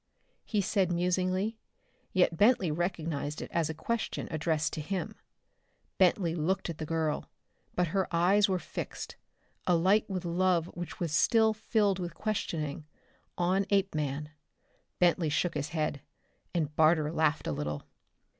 he said musingly, yet Bentley recognized it as a question addressed to him. Bentley looked at the girl, but her eyes were fixed alight with love which was still filled with questioning on Apeman. Bentley shook his head, and Barter laughed a little.